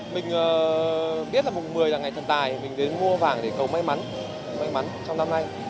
mình biết là mùng một mươi là ngày thần tài mình đến mua vàng để cầu may mắn may mắn trong năm nay